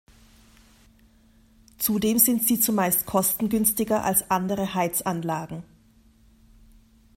Zudem sind sie zumeist kostengünstiger als andere Heizanlagen.